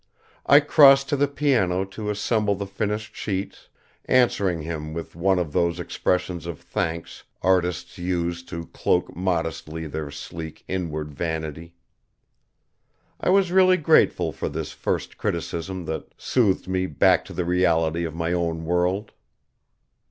I crossed to the piano to assemble the finished sheets, answering him with one of those expressions of thanks artists use to cloak modestly their sleek inward vanity. I was really grateful for this first criticism that soothed me back to the reality of my own world.